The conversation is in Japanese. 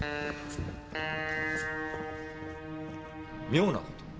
妙なこと？